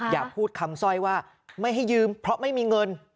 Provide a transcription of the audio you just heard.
อย่าพูดคำสร้อยว่าไม่ให้ยืมเพราะไม่มีเงิน